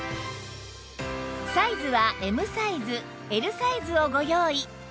サイズは Ｍ サイズ Ｌ サイズをご用意